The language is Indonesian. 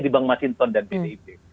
di bang mas inton dan pdip